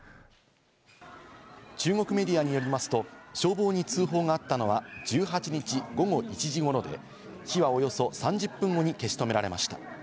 中国メディアによりますと、消防に通報があったのは１８日午後１時頃で、火はおよそ３０分後に消し止められました。